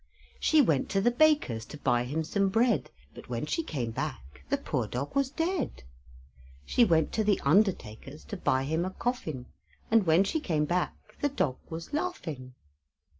She went to the baker's to buy him some bread, But when she came back the poor dog was dead. She went to the undertaker's to buy him a coffin, And when she came back the dog was laughing.